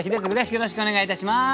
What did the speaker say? よろしくお願いします。